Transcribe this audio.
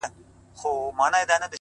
ستا د تورو سترگو اوښکي به پر پاسم’